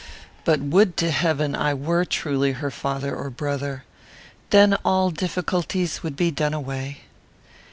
But would to heaven I were truly her father or brother! Then all difficulties would be done away."